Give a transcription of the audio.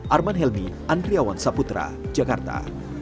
arman helmi andriawan saputra jakarta